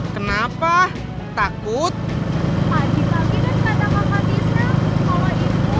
kalau kakak bisa ngajak kita nonton film horror rika gak mau